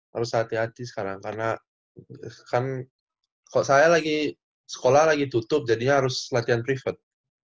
harus hati hati sekarang karena kan kalau saya lagi sekolah lagi tutup jadinya harus latihan private